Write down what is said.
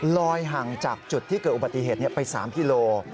ห่างจากจุดที่เกิดอุบัติเหตุไป๓กิโล